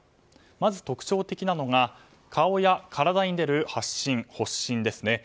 まず、特徴的なのが顔や体に出る発疹ですね。